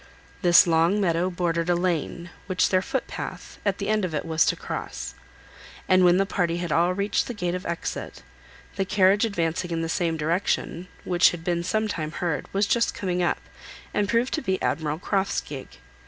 This long meadow bordered a lane, which their footpath, at the end of it was to cross, and when the party had all reached the gate of exit, the carriage advancing in the same direction, which had been some time heard, was just coming up, and proved to be Admiral Croft's gig.